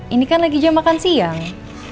ini kan lagi jam makan siang